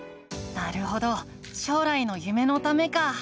なるほど将来の夢のためか。